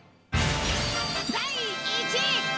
第１位。